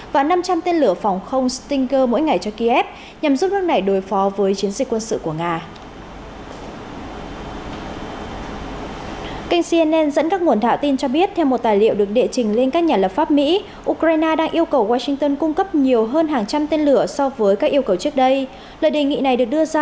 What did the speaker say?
và năm trăm linh tên lửa phòng không stinger mỗi ngày cho kiev nhằm giúp nước này đối phó với chiến dịch quân sự của nga